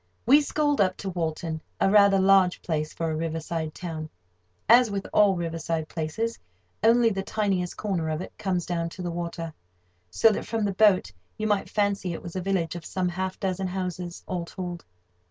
We sculled up to Walton, a rather large place for a riverside town. As with all riverside places, only the tiniest corner of it comes down to the water, so that from the boat you might fancy it was a village of some half dozen houses, all told.